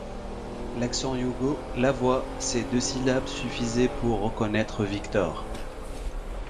L’accent yougo, la voix, ces deux syllabes suffisaient pour reconnaître Viktor.